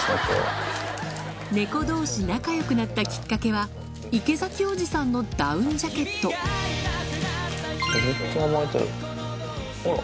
猫同士仲良くなったきっかけは池崎おじさんのダウンジャケットあら。